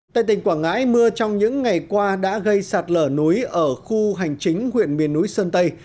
tại tỉnh quảng ngãi mưa trong những ngày qua đã gây sạt lở núi ở khu hành chính huyện miền núi sơn tây